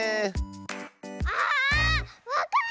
ああっわかった！